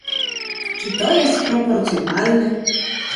Czy to jest proporcjonalne?